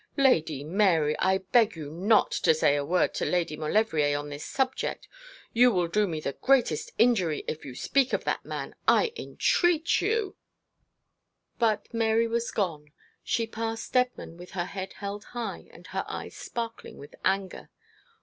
'Lady Mary, I beg you not to say a word to Lady Maulevrier on this subject. You will do me the greatest injury if you speak of that man. I entreat you ' But Mary was gone. She passed Steadman with her head held high and her eyes sparkling with anger.